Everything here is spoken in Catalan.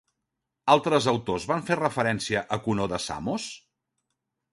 Altres autors van fer referència a Conó de Samos?